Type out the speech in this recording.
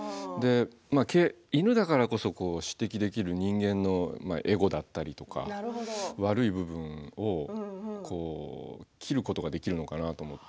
犬だからこそ指摘できる人間のエゴだったりとか悪い部分を斬ることができるのかなと思って。